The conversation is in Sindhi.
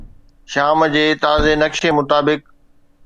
شام جي تازي نقشي مطابق